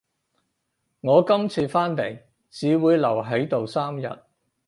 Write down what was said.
我今次返嚟只會留喺度三日